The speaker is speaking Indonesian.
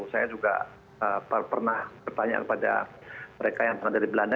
saya juga pernah bertanya kepada mereka yang pernah dari belanda